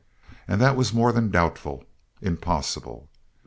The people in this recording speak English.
And that was more than doubtful impossible!